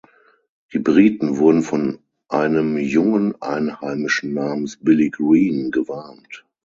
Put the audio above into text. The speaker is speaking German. Die Briten wurden von einem jungen Einheimischen namens "Billy Green" gewarnt.